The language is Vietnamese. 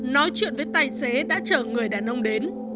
nói chuyện với tài xế đã chở người đàn ông đến